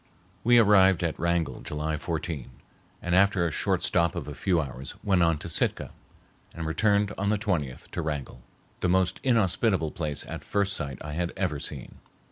] We arrived at Wrangell July 14, and after a short stop of a few hours went on to Sitka and returned on the 20th to Wrangell, the most inhospitable place at first sight I had ever seen.